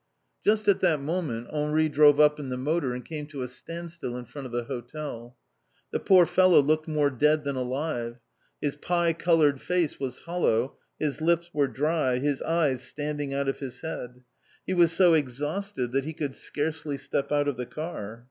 Just at that moment Henri drove up in the motor, and came to a standstill in front of the hotel. The poor fellow looked more dead than alive. His pie coloured face was hollow, his lips were dry, his eyes standing out of his head. He was so exhausted that he could scarcely step out of the car.